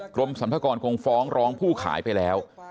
กรมสรรพากรคงฟ้องร้องผู้ขายไปแล้ว